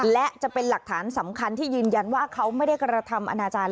และจะเป็นหลักฐานสำคัญที่ยืนยันว่าเขาไม่ได้กระทำอนาจารย